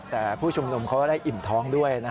แต่ผู้ชุมนุมเขาก็ได้อิ่มท้องด้วย